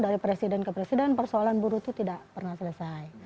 dari presiden ke presiden persoalan buruh itu tidak pernah selesai